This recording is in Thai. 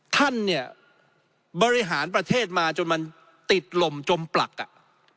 ท่านเนี่ยบริหารประเทศมาจนมันติดลมจมปลักอ่ะ